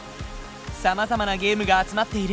さまざまなゲームが集まっている。